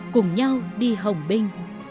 cùng nhau đi hồng binh